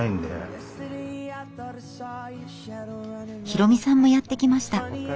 広海さんもやって来ました。